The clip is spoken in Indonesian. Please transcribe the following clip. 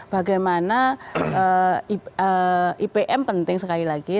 bagaimana ipm penting sekali lagi